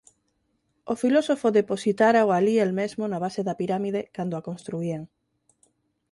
O filósofo depositárao alí el mesmo na base da pirámide, cando a construían.